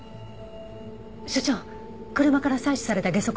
所長車から採取されたゲソ痕は？